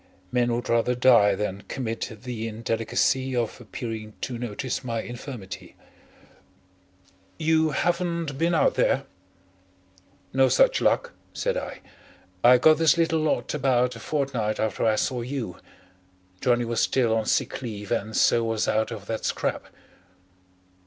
Men would rather die than commit the indelicacy of appearing to notice my infirmity. "You haven't been out there?" "No such luck," said I. "I got this little lot about a fortnight after I saw you. Johnnie was still on sick leave and so was out of that scrap."